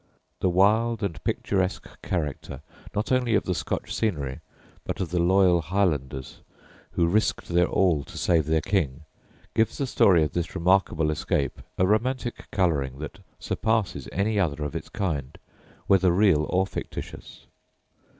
The wild and picturesque character not only of the Scotch scenery, but of the loyal Highlanders, who risked their all to save their King, gives the story of this remarkable escape a romantic colouring that surpasses any other of its kind, whether real or fictitious.